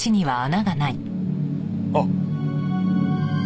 あっ！